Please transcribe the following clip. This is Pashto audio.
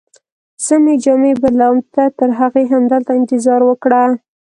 زه مې جامې بدلوم، ته ترهغې همدلته انتظار وکړه.